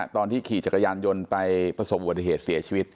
ตอนที่ขี่จักรยานยนต์ไปประสบอุบัติเหตุเสียชีวิต